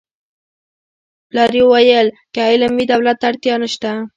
پلار یې ویل که علم وي دولت ته اړتیا نشته